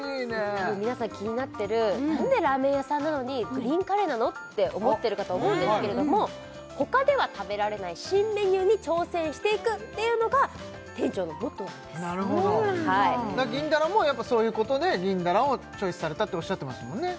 たぶん皆さん気になってる何でラーメン屋さんなのにグリーンカレーなの？って思ってるかと思うんですけれどもほかでは食べられない新メニューに挑戦していくっていうのが店長のモットーなんですなるほど銀だらもやっぱそういうことで銀だらをチョイスされたっておっしゃってましたもんね？